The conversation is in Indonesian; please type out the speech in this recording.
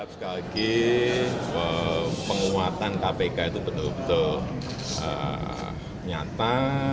sekali lagi penguatan kpk itu betul betul nyata